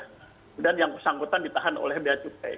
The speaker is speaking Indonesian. kemudian yang kesangkutan ditahan oleh bacuk